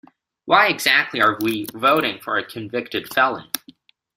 Why exactly are we voting for a convicted felon?